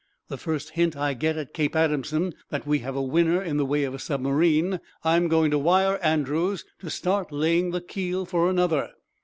The first hint I get at Cape Adamson that we have a winner in the way of a submarine, I'm going wire Andrews to start laying the keel for another.